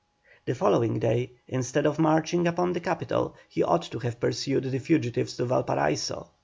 The following day, instead of marching upon the capital he ought to have pursued the fugitives to Valparaiso.